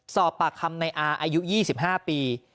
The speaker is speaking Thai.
สอบปากคำในอาอายุ๒๕ปี